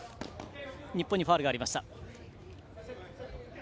日本にファウルがありました。